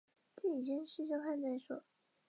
影响血液循环